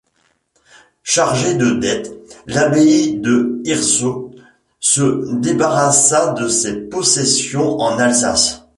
Chargé de dettes, l'abbaye de Hirsau se débarrassa de ses possessions en Alsace.